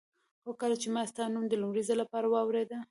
هو کله چې ما ستا نوم د لومړي ځل لپاره واورېده.